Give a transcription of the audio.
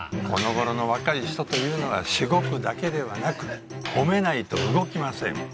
この頃の若い人というのはしごくだけではなく褒めないと動きません。